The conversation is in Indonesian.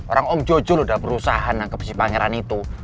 orang om jojo udah berusaha nangkep si pangeran itu